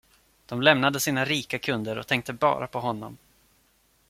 De lämnade sina rika kunder och tänkte bara på honom.